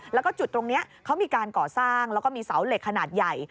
แล้วก็จุดตรงนี้เขามีการก่อสร้างแล้วก็มีเสาเหล็กขนาดใหญ่